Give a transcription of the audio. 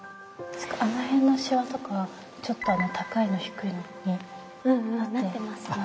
あのへんのしわとかちょっと高いの低いのになってますよね。